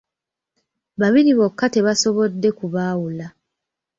Babiri bokka tebasobodde kubaawula.